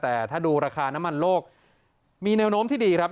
แต่ถ้าดูราคาน้ำมันโลกมีแนวโน้มที่ดีครับ